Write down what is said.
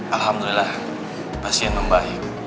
alhamdulillah pasien membaik